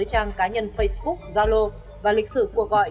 các thông tin cá nhân facebook zalo và lịch sử của gọi